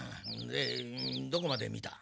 でどこまで見た？